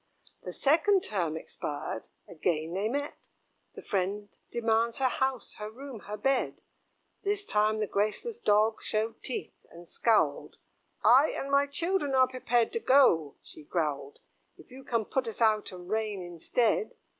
The second term expired, again they met: The friend demands her house, her room, her bed. This time the graceless Dog showed teeth, and scowled; "I and my children are prepared to go," she growled, "If you can put us out and reign instead."